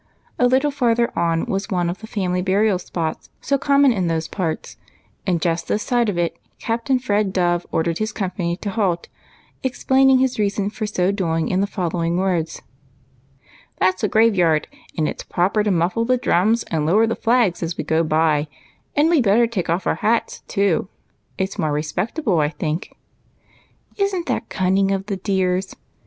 A little farther on was one of the family burial spots so common in those parts, and just this side of it Captain Fred Dove ordered his company to halt, explaining his reason for so doing in the following words :—" That 's a graveyard, and it 's proper to muffle the drums and lower the flags as we go by, and we'd better take off our hats, too ; it 's more res23ectable, I think." " Is n't that cunning of the dears